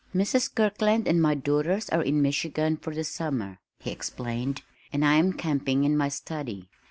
"Mrs. Kirkland and my daughters are in Michigan for the summer," he explained, "and I am camping in my study."